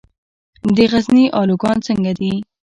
د غزني الوګان څنګه دي؟